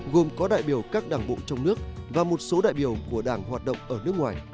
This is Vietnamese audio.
gồm có đại biểu các đảng bộ trong nước và một số đại biểu của đảng hoạt động ở nước ngoài